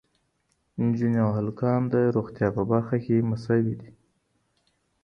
نجونې او هلکان د روغتیا په برخه کې مساوي دي.